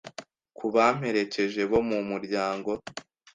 ku bamperekeje bo mu muryango,